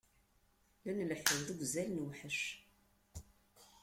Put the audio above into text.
La nleḥḥu deg uzal, newḥec.